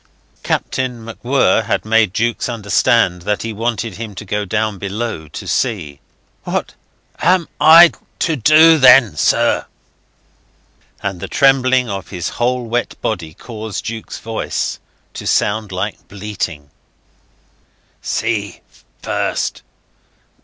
Captain MacWhirr had made Jukes understand that he wanted him to go down below to see. "What am I to do then, sir?" And the trembling of his whole wet body caused Jukes' voice to sound like bleating. "See first